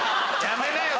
やめなよ！